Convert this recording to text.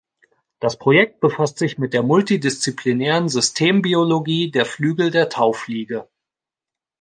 Das Projekt befasst sich mit der multidisziplinären Systembiologie der Flügel der Taufliege.